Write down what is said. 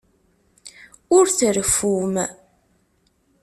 Ur treffum.